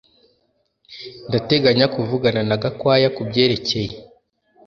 Ndateganya kuvugana na Gakwaya kubyerekeye